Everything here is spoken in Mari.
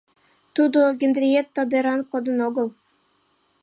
Тудо Генриетта деран кодын огыл!..